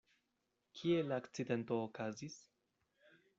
Kie la akcidento okazis?